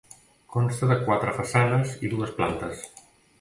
Consta de quatre façanes i dues plantes.